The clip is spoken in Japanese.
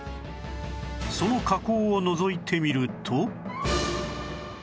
その河口をのぞいてみると